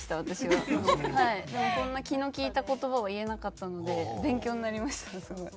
でもこんな気の利いた言葉は言えなかったので勉強になりましたねすごい。